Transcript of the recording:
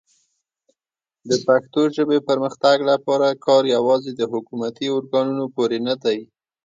د پښتو ژبې پرمختګ لپاره کار یوازې د حکومتي ارګانونو پورې نه دی.